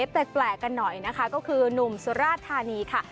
แปลกกันหน่อยนะคะก็คือหนุ่มสุราธานีค่ะ